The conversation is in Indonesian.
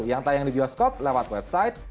yang tayang di bioskop lewat website